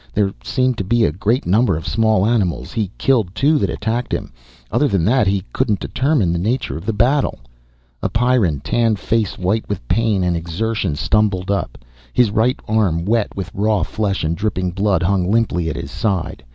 There seemed to be a great number of small animals: he killed two that attacked him. Other than that he couldn't determine the nature of the battle. A Pyrran, tan face white with pain and exertion, stumbled up. His right arm, wet with raw flesh and dripping blood, hung limply at his side.